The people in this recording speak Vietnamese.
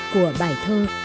của bài thơ